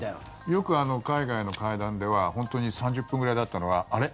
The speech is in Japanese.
よく海外の会談では本当に３０分くらいだったのがあれ？